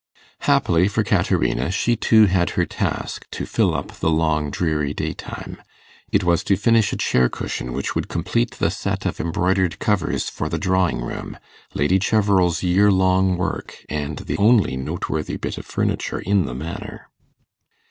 Happily for Caterina, she too had her task, to fill up the long dreary daytime: it was to finish a chair cushion which would complete the set of embroidered covers for the drawing room, Lady Cheverel's year long work, and the only noteworthy bit of furniture in the Manor.